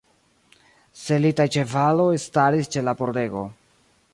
Selitaj ĉevaloj staris ĉe la pordego.